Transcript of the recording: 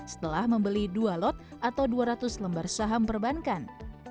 setelah membeli dua lot atau dua ratus lembar saham perbankan